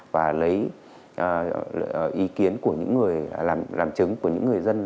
và lấy ý kiến của những người làm chứng của những người dân